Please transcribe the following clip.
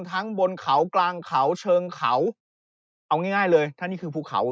ทั้งบนเขากลางเขาเชิงเขาเอาง่ายง่ายเลยถ้านี่คือภูเขา